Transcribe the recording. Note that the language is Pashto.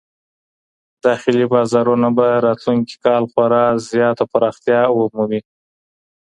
داخلي بازارونه به راتلونکي کال خورا زياته پراختيا ومومي.